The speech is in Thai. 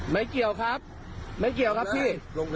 ไม่เกี่ยวครับไม่เกี่ยวครับพี่